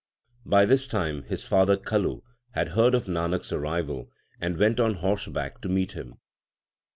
By this time his father Kaluhad heard of Nanak s arrival, and went on horseback to meet him.